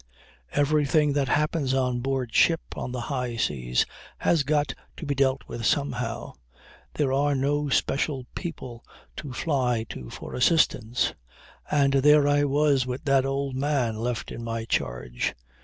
Everything that happens on board ship on the high seas has got to be dealt with somehow. There are no special people to fly to for assistance. And there I was with that old man left in my charge.